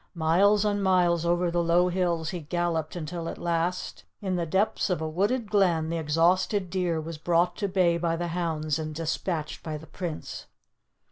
Miles and miles over the low hills he galloped until at last in the depths of a wooded glen the exhausted deer was brought to bay by the hounds, and dispatched by the Prince.